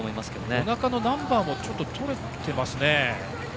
おなかのナンバーもとれていますね。